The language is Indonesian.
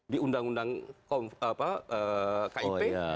di undang undang kip